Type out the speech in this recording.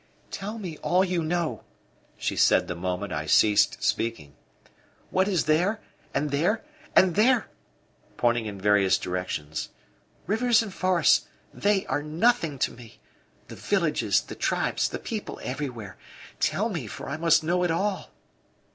"Tell me all you know," she said the moment I ceased speaking. "What is there and there and there?" pointing in various directions. "Rivers and forests they are nothing to me. The villages, the tribes, the people everywhere; tell me, for I must know it all."